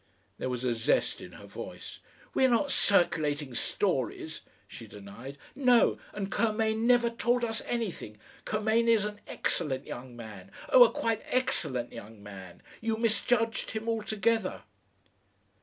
There was a zest in her voice. "We're not circulating stories," she denied. "No! And Curmain never told us anything Curmain is an EXCELLENT young man; oh! a quite excellent young man. You misjudged him altogether."...